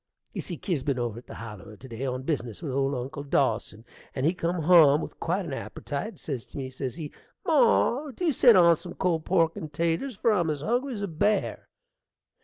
You see, Kier's been over to the Holler to day on bizness with old Uncle Dawson, and he come hum with quite an appertite: says to me, says he, "Mar, dew set on some cold pork and 'taters, for I'm as hungry as a bear."